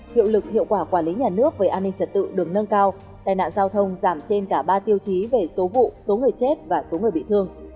hiệu lực hiệu quả quản lý nhà nước về an ninh trật tự được nâng cao tài nạn giao thông giảm trên cả ba tiêu chí về số vụ số người chết và số người bị thương